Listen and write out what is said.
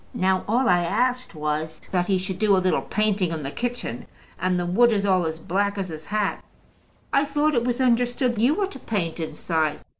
Now all I asked was that he should do a little painting in the kitchen; and the wood is all as black as his hat." "I thought it was understood you were to paint inside."